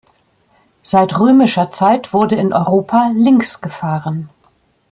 Seit römischer Zeit wurde in Europa links gefahren.